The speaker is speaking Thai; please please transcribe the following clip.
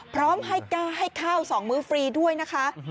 พร้อมให้กล้าให้ข้าว๒มื้อฟรีด้วยนะคะ